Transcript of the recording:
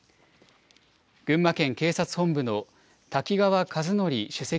群馬県警察本部の瀧川和典首席